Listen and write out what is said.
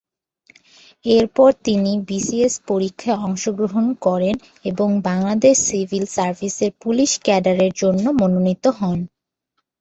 এরপর তিনি বিসিএস পরিক্ষায় অংশ গ্রহণ করেন এবং বাংলাদেশ সিভিল সার্ভিসের পুলিশ ক্যাডারের জন্য মনোনীত হন।